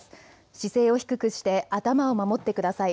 姿勢を低くして頭を守ってください。